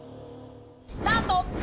スタート！